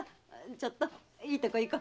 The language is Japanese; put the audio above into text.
ちょっとイイとこ行こ。